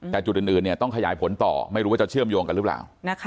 แต่จุดอื่นต้องขยายผลต่อไม่รู้ว่าจะเชื่อมโยงกันหรือเปล่า